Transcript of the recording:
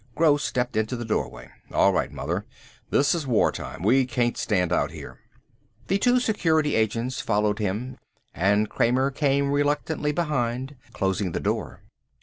Gross stepped into the doorway. "All right, mother. This is war time. We can't stand out here." The two Security agents followed him, and Kramer came reluctantly behind, closing the door.